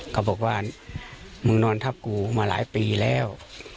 เขาบอกว่ามึงนอนทับกูมาหลายปีแล้ว